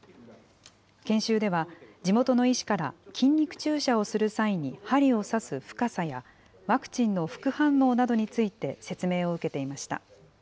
研修では、地元の医師から筋肉注射をする際に針を刺す深さや、ワクチンの副反応などについて説明を受けていました。